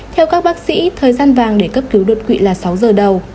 theo các bác sĩ thời gian vàng để cấp cứu đột quỵ là sáu giờ đầu